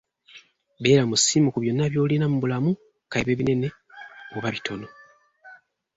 Beera musiimu ku byonna by'olina mu bulamu kabibe binene oba bitono.